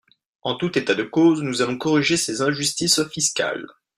En tout état de cause, nous allons corriger ces injustices fiscales.